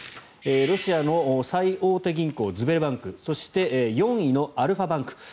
ロシアの最大手銀行ズベルバンクそして４位のアルファバンク。